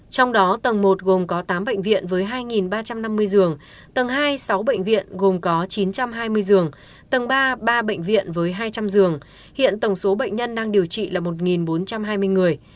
trong đó tầng một gồm có tám bệnh viện với hai ba trăm năm mươi giường tầng hai sáu bệnh viện gồm có chín trăm hai mươi giường tầng ba ba bệnh viện với hai trăm linh giường hiện tổng số bệnh nhân đang điều trị là một bốn trăm hai mươi người